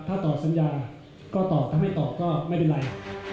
ถ้าตอบสัญญาก็ตอบถ้าไม่ตอบก็ไม่เป็นไร